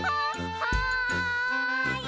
はい！